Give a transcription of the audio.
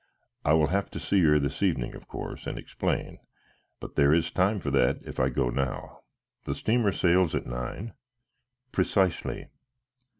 I will have to see her this evening of course and explain, but there is time for that if I go now. The steamer sails at nine?" "Precisely."